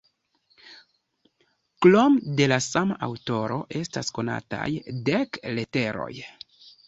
Krome de la sama aŭtoro estas konataj dek leteroj.